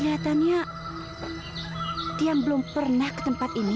lihatnya tiang belum pernah ke tempat ini